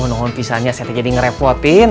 aduh nongon pisahnya saya terjadi ngerepotin